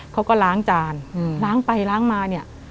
เขาก็ล้างจานล้างไปล้างมาเนี่ย